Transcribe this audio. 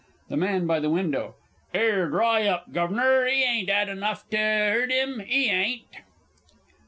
THE MAN BY THE WINDOW. 'Ere, dry up, Guv'nor 'e ain't 'ad enough to urt 'im, 'e ain't!